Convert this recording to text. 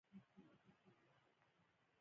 پوخ نان ښه بوی لري